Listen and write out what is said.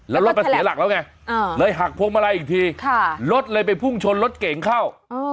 แล้วรถมันเสียหลักแล้วไงเลยหักพวงมาลัยอีกทีรถเลยไปพุ่งชนรถเก่งเข้า